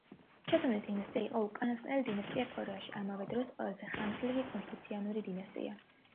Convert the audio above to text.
ჩოსონის დინასტია იყო უკანასკნელი დინასტია კორეაში, ამავე დროს ყველაზე ხანგრძლივი კონფუციანური დინასტია.